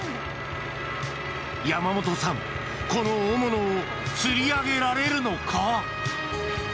山本さん、この大物を釣り上げられるのか。